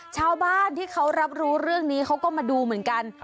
ชาวบ้านที่เขารับรู้เรื่องนี้เขาก็มาดูเหมือนกัน